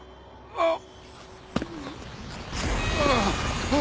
あっ！？